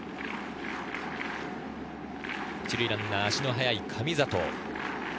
１塁ランナーは足の速い神里。